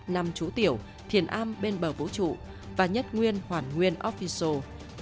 năm chú tiểu thiền am bên bờ vũ trụ và nhất nguyên hoàn nguyên offiso